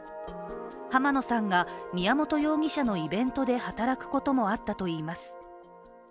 濱野さんが宮本容疑者のイベントで働くこともあったといいます。